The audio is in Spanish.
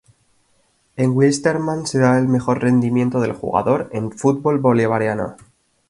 En Wilstermann se da el mejor rendimiento del jugador en el fútbol boliviano.